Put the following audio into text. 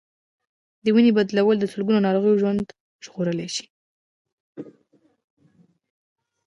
د وینې بدلېدل د سلګونو ناروغانو ژوند ژغورلی دی.